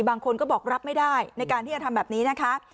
บางคนก็บอกรับไม่ได้ในการที่จะทำแบบนี้นะคะ